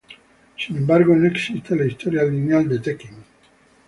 Sin embargo, no sigue la historia lineal de "Tekken".